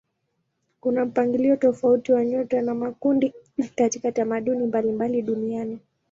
Kuna mpangilio tofauti wa nyota kwa makundi katika tamaduni mbalimbali duniani.